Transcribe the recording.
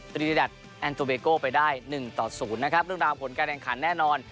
ตรีระดับแอนโตเบโก้ไปได้๑ต่อ๐นะครับเรื่องราวผลการแข่งขันแน่นอน